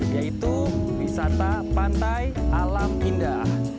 yaitu wisata pantai alam indah